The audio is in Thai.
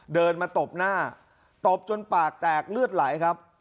เดินมาตบหน้าตบจนปากแตกเลือดไหลครับ